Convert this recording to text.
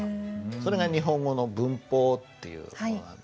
それが日本語の文法っていう事なんですね。